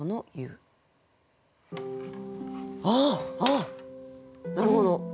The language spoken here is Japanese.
あなるほど。